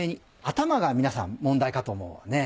頭が皆さん問題かと思うわね。